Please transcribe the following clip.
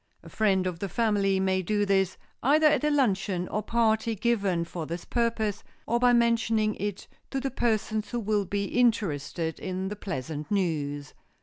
A friend of the family may do this, either at a luncheon or party given for this purpose, or by mentioning it to the persons who will be interested in the pleasant news.